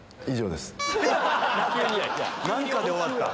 「何か」で終わった。